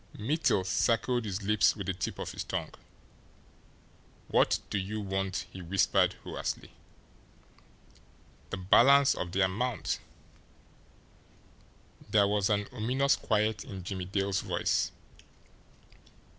Mittel circled his lips with the tip of his tongue. "What do you want?" he whispered hoarsely. "The balance of the amount." There was an ominous quiet in Jimmie Dale's voice.